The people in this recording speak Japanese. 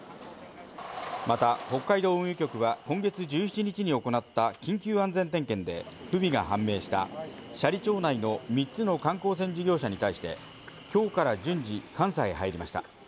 また北海道運輸局は今月１７日に行った緊急安全点検で不備が判明した斜里町内の３つの観光船事業者に対して今日から順次監査へ入りました。